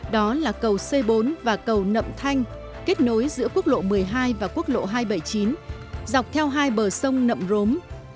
đó là cầu c bốn và cầu nậm thanh kết nối giữa quốc lộ một mươi hai và quốc lộ hai trăm bảy mươi chín dọc theo hai bờ sông nậm rốm